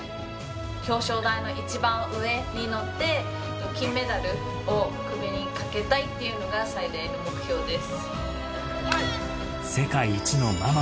表彰台の１番上に乗って、金メダルを首にかけたいっていうのが、最大の目標です。